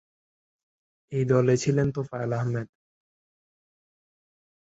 এই দলে ছিলেন তোফায়েল আহমেদ।